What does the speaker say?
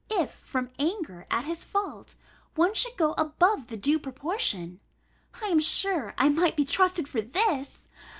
If, from anger at his fault, one should go above the due proportion, (I am sure I might be trusted for this!)